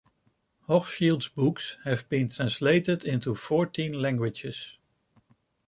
Hochschild's books have been translated into fourteen languages.